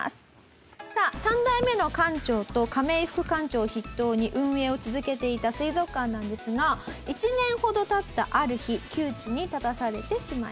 さあ３代目の館長とカメイ副館長を筆頭に運営を続けていた水族館なんですが１年ほど経ったある日窮地に立たされてしまいます。